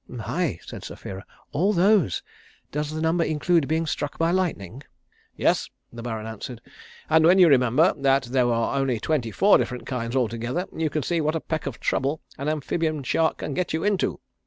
"My!" said Sapphira. "All those? Does the number include being struck by lightning?" "Yes," the Baron answered, "And when you remember that there are only twenty four different kinds altogether you can see what a peck of trouble an Amphibian shark can get you into.